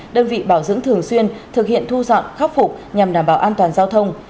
đơn vị bảo dưỡng thường xuyên thực hiện thu dọn khắc phục nhằm đảm bảo an toàn giao thông